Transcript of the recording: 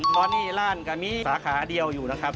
นอนี่ร่างกมีสาขาเดียวอยู่นะครับ